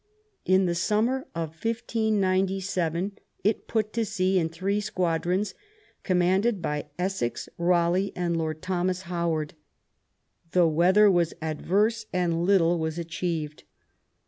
In the summer of 1597 it put to sea in three squadrons commanded by Essex, Raleigh, and Lord Thomas Howard. The weather was adverse, and little was achieved.